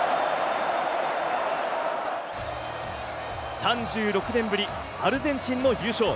３６年ぶり、アルゼンチンの優勝！